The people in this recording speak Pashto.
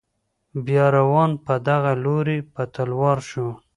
بیا روان په دغه لوري په تلوار شو.